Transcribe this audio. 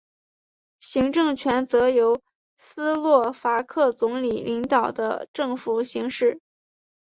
行政权则由斯洛伐克总理领导的政府行使。